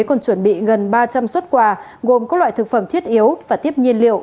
còn chuẩn bị gần ba trăm linh xuất quà gồm các loại thực phẩm thiết yếu và tiếp nhiên liệu